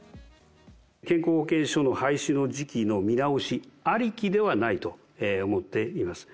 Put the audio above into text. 健康保険証の廃止の時期の見直しありきではないと思っています。